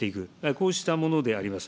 こうしたものであります。